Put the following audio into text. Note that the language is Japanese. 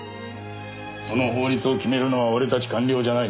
その法律を決めるのは俺たち官僚じゃない。